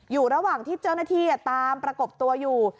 อยู่ระหว่างที่เจ้าหน้าที่ตามประกบตัวอยู่